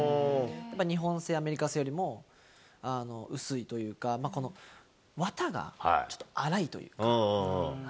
日本製、アメリカ製よりも、薄いというか、この綿がちょっと粗いというか。